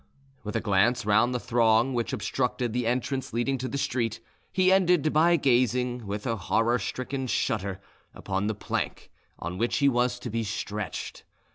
With a glance round the throng which obstructed the entrance leading to the street, he ended by gazing, with a horror stricken shudder upon the plank on which he was to be stretched.